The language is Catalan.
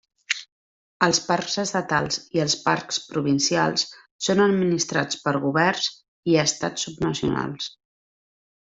Els parcs estatals i els parcs provincials són administrats per governs i estats subnacionals.